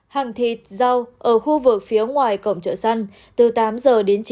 hàng thịt rau ở khu vực phía ngoài cổng chợ săn từ tám h đến chín h